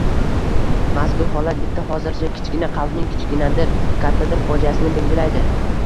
Mazkur holat bitta, hozircha kichkina qalbning kichkinadir, kattadir fojiasini belgilaydi.